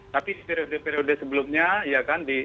tapi periode periode sebelumnya